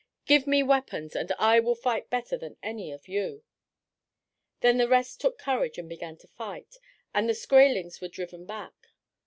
Give me weapons, and I will fight better than any of you." Then the rest took courage and began to fight, and the Skraelings were driven back.